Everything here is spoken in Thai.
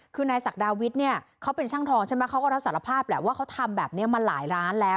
คือนายศักดาวิทย์เนี่ยเขาเป็นช่างทองใช่ไหมเขาก็รับสารภาพแหละว่าเขาทำแบบนี้มาหลายร้านแล้ว